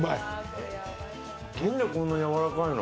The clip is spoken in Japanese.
なんでこんなにやわらかいの？